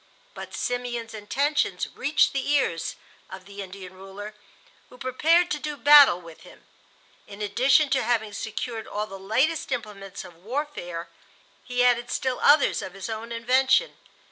But Simeon's intentions reached the ears of the Indian ruler, who prepared to do battle with him. In addition to having secured all the latest implements of warfare, he added still others of his own invention.